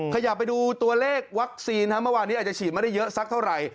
ขยับไปดูตัวเลขวัคซีนเมื่อวานนี้อาจจะฉีดไม่ได้เยอะสักเท่าไหร่